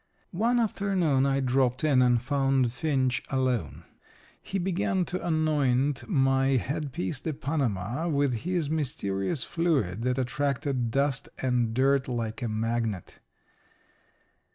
One afternoon I dropped in and found Finch alone. He began to anoint my headpiece de Panama with his mysterious fluid that attracted dust and dirt like a magnet.